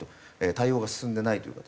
対応が進んでないという形。